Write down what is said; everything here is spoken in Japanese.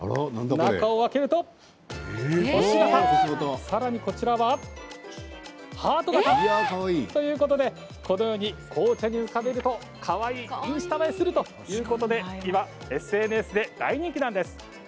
中を開けると星形さらに、こちらはハート形。ということで、このように紅茶に浮かべるとかわいいインスタ映えするということで今、ＳＮＳで大人気なんです。